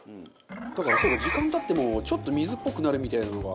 だから時間経ってもちょっと水っぽくなるみたいなのが。